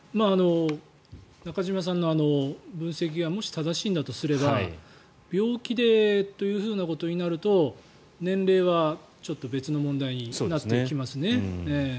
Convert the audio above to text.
中島さんの分析がもし正しいんだとすれば病気でということになると年齢は別の問題になってきますね。